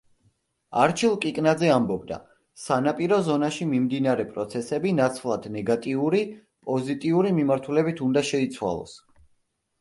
არჩილ კიკნაძე ამბობდა: სანაპირო ზონაში მიმდინარე პროცესები ნაცვლად ნეგატიური, პოზიტიური მიმართულებით უნდა შეიცვალოს.